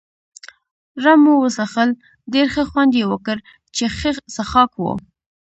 رم مو وڅښل، ډېر ښه خوند يې وکړ، چې ښه څښاک وو.